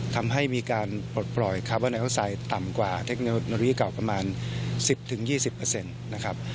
ทำให้มีการปลดปล่อยคาร์บอเนอลไซด์ต่ำกว่าเทคโนโลยีเก่ากว่า๑๐๒๐